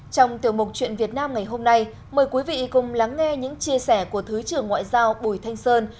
trong tiểu mục chuyện việt nam ngày hôm nay mời quý vị cùng lắng nghe những chia sẻ của thứ trưởng ngoại giao bùi thanh sơn